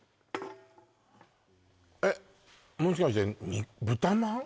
えっもしかして豚まん？